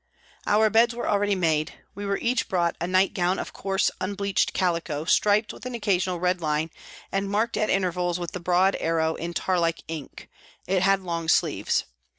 Our beds were already made; we were each brought a night gown of coarse, un bleached calico striped with an occasional red line and marked at intervals with the broad arrow in tar like ink; it had long sleeves.